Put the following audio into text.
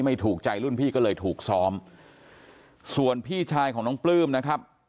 ถูกใจรุ่นพี่ก็เลยถูกซ้อมส่วนพี่ชายของน้องปลื้มนะครับ